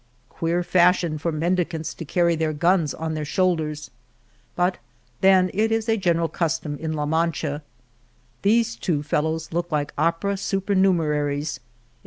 Queer fashion for mendicants to carry their guns on their shoulders ! But then it is a general custom in La Mancha. These two fellows look like opera supernumeraries, ex rj!